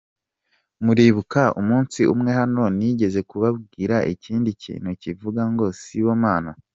Muribuka, umunsi umwe hano, nigize kubabwira ikindi kintu kivuga ngo: ‘si bo Mana’.